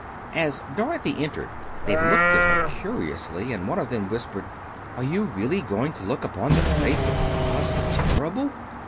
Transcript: As Dorothy entered they looked at her curiously, and one of them whispered: "Are you really going to look upon the face of Oz the Terrible?"